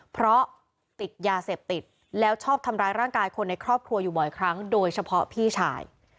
เพราะติดยาเสพติดแล้วชอบทำร้ายร่างกายคนในครอบครัวอยู่บ่อยครั้งโดยเฉพาะพี่ชาย